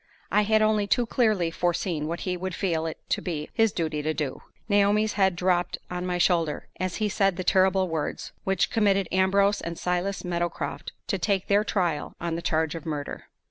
I had only too clearly foreseen what he would feel it to be his duty to do. Naomi's head dropped on my shoulder as he said the terrible words which committed Ambrose and Silas Meadowcroft to take their trial on the charge of murder.